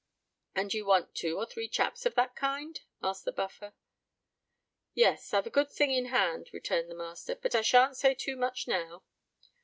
"And you want two or three chaps of that kind?" asked the Buffer. "Yes. I've a good thing in hand," returned the master. "But I shan't say too much now."